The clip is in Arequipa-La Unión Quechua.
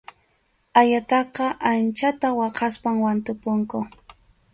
Ayataqa anchata waqaspam wantupunku.